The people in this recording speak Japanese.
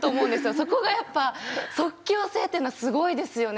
そこがやっぱ即興性というのはすごいですよね